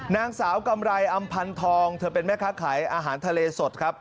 นางสาวกำไรอำพันธองเธอเป็นแม่ค้าขายอาหารทะเลสดครับ